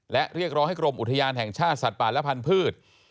และเรียกร้องให้กรมอุทยานแห่งชาติสัตว์ป่าและพันธุ์